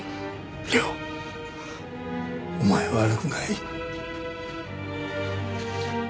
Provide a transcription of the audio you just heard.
涼お前は悪くない。